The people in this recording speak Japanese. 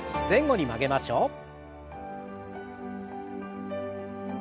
前後に曲げましょう。